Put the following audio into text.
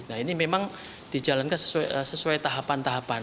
nah ini memang dijalankan sesuai tahapan tahapan